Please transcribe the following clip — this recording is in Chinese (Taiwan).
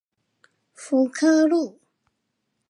福科路